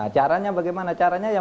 caranya bagaimana caranya ya